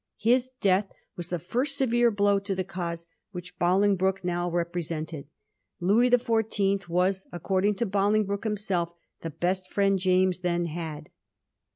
His death was the first severe blow to the cause which Bolingbroke now represented. Louis the Fourteenth was, accord ing to Bolingbroke himself, the best Mend James then had.